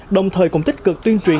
đồng thời cũng tích cực tuyên truyền